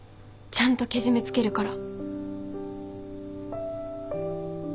ちゃんとけじめつけるから。